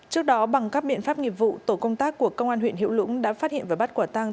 trước đó bằng các biện pháp nghiệp vụ tổ công tác của công an huyện hữu lũng đã phát hiện và bắt quả tăng